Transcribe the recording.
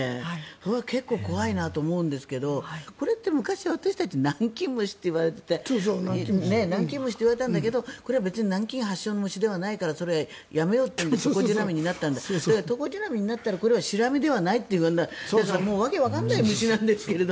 これは結構怖いなと思うんですがこれって昔、私たちはナンキンムシと言われたんだけどこれは別に南京発祥の虫ではないからそれはやめようって言ってトコジラミになったんですがトコジラミになったらシラミではないというような訳がわからない虫なんですけど。